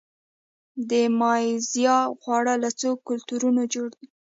د مالیزیا خواړه له څو کلتورونو جوړ دي.